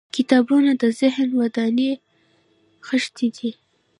• کتابونه د ذهن د ودانۍ خښتې دي.